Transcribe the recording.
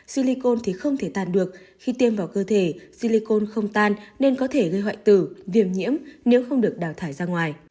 silicon thì không thể tan được khi tiêm vào cơ thể silicon không tan nên có thể gây hoại tử viêm nhiễm nếu không được đào thải ra ngoài